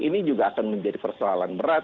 ini juga akan menjadi persoalan berat